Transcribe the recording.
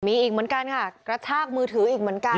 มีอีกเหมือนกันค่ะกระชากมือถืออีกเหมือนกัน